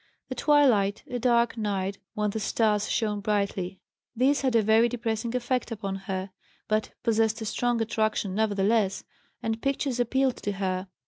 The twilight, a dark night when the stars shone brightly; these had a very depressing effect upon her, but possessed a strong attraction nevertheless, and pictures appealed to her.